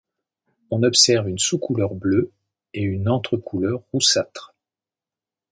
On observe une sous-couleur bleue et une entre-couleur roussâtre.